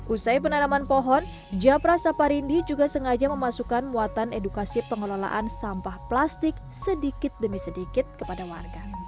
usai penanaman pohon japra saparindi juga sengaja memasukkan muatan edukasi pengelolaan sampah plastik sedikit demi sedikit kepada warga